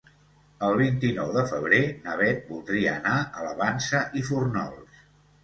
El vint-i-nou de febrer na Beth voldria anar a la Vansa i Fórnols.